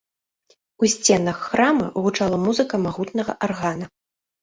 У сценах храма гучала музыка магутнага аргана.